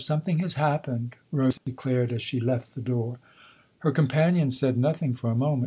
Something has happened," Rose declared as she left the door. Her companion said nothing for a moment.